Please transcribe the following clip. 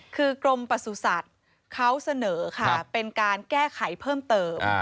คือกรมประสุทธิ์เขาเสนอค่ะเป็นการแก้ไขเพิ่มเติม